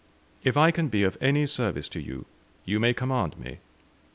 If I can be of any service to you, you may command me.